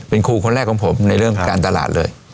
เป็นครูคนแรกของผมในเรื่องการตลาดเลย